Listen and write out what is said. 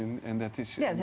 dan itu menyebabkan